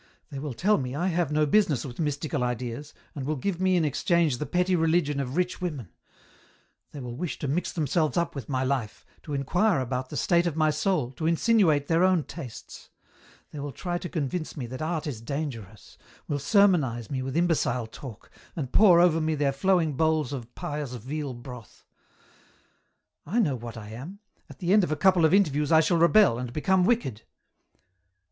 They will tell me I have no business with mystical ideas, and will give me in exchange the petty religion of rich women ; they will wish to mix themselves up with my life, to inquire about the state of my soul, to insinuate their own tastes ; they will try to convince me that art is dangerous, will sermonize me with imbecile talk, and pour over me their flowing bo»vls of pious veal broth. " I know what I am ; at the end of a couple of interviews I shall rebel, and become wicked."